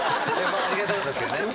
ありがたかったですけどね。